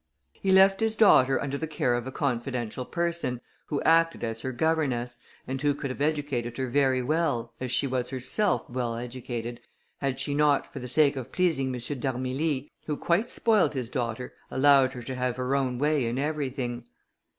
He left his daughter under the care of a confidential person, who acted as her governess, and who could have educated her very well, as she was herself well educated, had she not, for the sake of pleasing M. d'Armilly, who quite spoiled his daughter, allowed her to have her own way in everything.